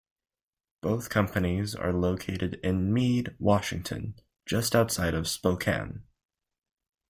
Both companies are located in Mead, Washington, just outside Spokane.